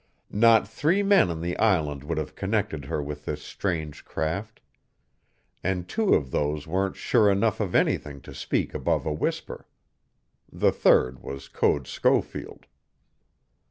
Not three men in the island would have connected her with this strange craft, and two of those weren't sure enough of anything to speak above a whisper. The third was Code Schofield.